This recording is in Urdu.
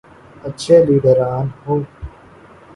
اچھے لیڈران ہوں۔